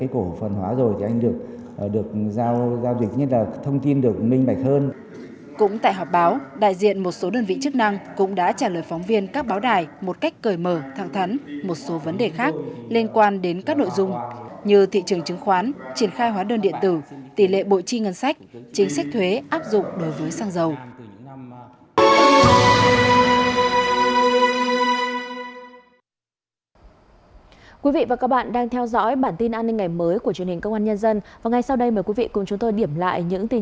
cũng tại họp báo đại diện một số đơn vị chức năng cũng đã trả lời phóng viên các báo đài một cách cởi mở thẳng thắn một số vấn đề khác liên quan đến các nội dung như thị trường chứng khoán triển khai hóa đơn điện tử tỷ lệ bộ chi ngân sách chính sách thuế áp dụng đối với xăng dầu